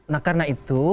nah karena itu